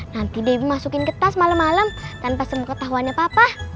nanti debbie masukin kertas malem malem tanpa semua ketahuannya papa